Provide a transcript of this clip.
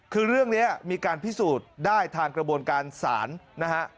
คือเรื่องนี้มีการพิสูจน์ได้ทางกระบวนการศาลนะฮะ